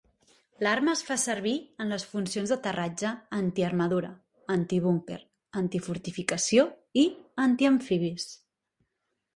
L'arma es fa servir en les funcions d"aterratge anti-armadura, anti-búnquer, anti-fortificació i anti-amfibis.